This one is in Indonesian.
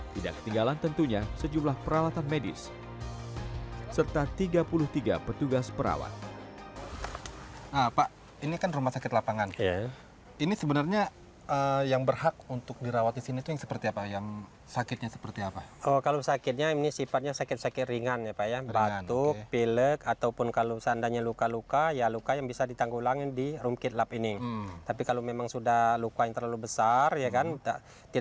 tidak ketinggalan tentunya sejumlah peralatan medis serta tiga puluh tiga petugas perawat